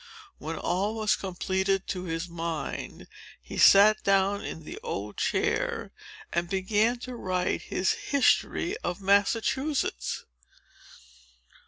When all was completed to his mind, he sat down in the old chair, and began to write his History of Massachusetts."